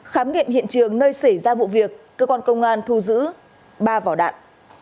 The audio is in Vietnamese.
khám nghiệm hiện trường nơi xảy ra vụ việc cơ quan công an thu giữ ba vỏ đạn